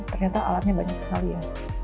ternyata alatnya banyak sekali ya